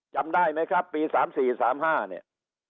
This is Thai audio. จำได้ไหมครับปี๓๔๓๕เนี่ย